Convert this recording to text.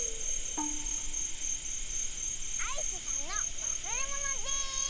「アイスさんのわすれもの」です！